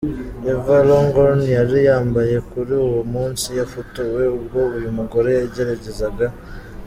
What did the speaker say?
Eva Longoria yari yambaye kuri uwo munsi, yafotowe ubwo uyu mugore yageragezaga.